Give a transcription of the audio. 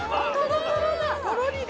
とろりだ。